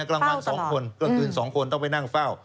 กลางวัน๒คนต้องไปนั่งเฝ้า